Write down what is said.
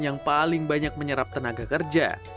yang paling banyak menyerap tenaga kerja